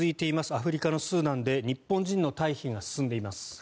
アフリカのスーダンで日本人の退避が進んでいます。